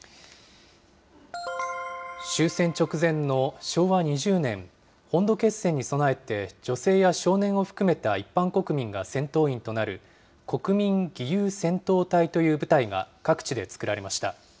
終戦直前の昭和２０年、本土決戦に備えて、女性や少年を含めた一般国民が戦闘員となる国民義勇戦闘隊という部隊が各地で作られました。